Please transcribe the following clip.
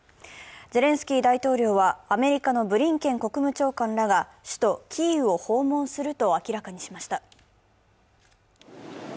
ゼレンスキー大統領はアメリカのブリンケン国務長官らが首都キーウを訪問すると明らかにしました。